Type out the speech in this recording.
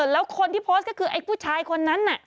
แล้วคนที่โพสต์ก็คือไอ้ผู้ชายคนนั้นน่ะ